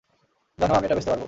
জানো, আমি এটা বেচতে পারবো।